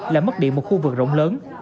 là mất điện một khu vực rộng lớn